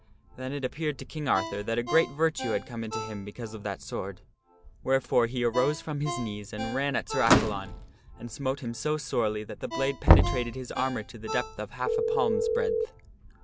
Then it appeared to King Arthur that a great virtue had come into him because of that sword. Wherefore he arose from his knees and ran at Sir Accalon and smote him so sorely that the blade penetrated his armor to the depth of half a palm's breadth.